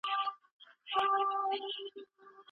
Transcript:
موږ باید د خپلو پلټنو لپاره باوري شواهد وړاندې کړو.